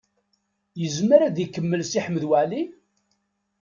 Yezmer ad ikemmel Si Ḥmed Waɛli?